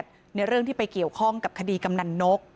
เพราะความเครียดในเรื่องที่ไปเกี่ยวข้องกับคดีกำนันนก